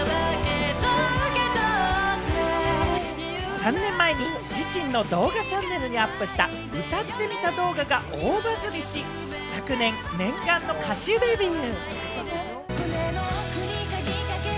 ３年前に自身の動画チャンネルにアップした歌ってみた動画が大バズりし、昨年念願の歌手デビュー。